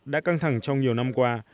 đã căng thẳng trong nhiều năm qua